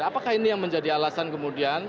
apakah ini yang menjadi alasan kemudian